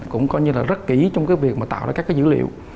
cũng rất kỹ trong việc tạo ra các dữ liệu